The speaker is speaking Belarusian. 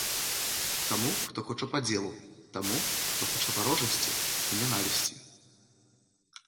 Таму, хто хоча падзелу, таму, хто хоча варожасці і нянавісці.